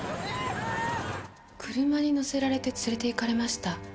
車に乗せられて連れていかれました。